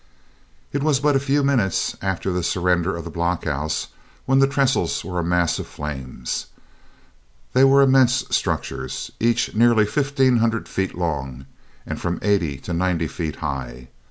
It was but a few minutes after the surrender of the block houses when the trestles were a mass of flames. They were immense structures, each nearly fifteen hundred feet long, and from eighty to ninety feet high.